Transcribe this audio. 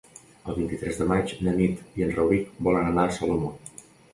El vint-i-tres de maig na Nit i en Rauric volen anar a Salomó.